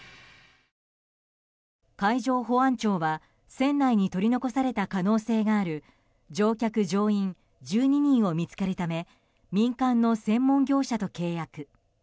海上保安庁は船内に取り残された可能性がある乗客・乗員１２人を見つけるため民間の専門業者と契約。